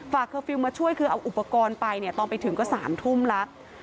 เคอร์ฟิลล์มาช่วยคือเอาอุปกรณ์ไปเนี่ยตอนไปถึงก็๓ทุ่มแล้ว